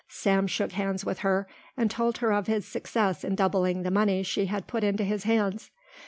Sam shook hands with her and told her of his success in doubling the money she had put into his hands.